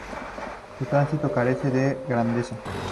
Su tránsito carece de grandeza.